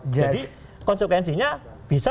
jadi konsekuensinya bisa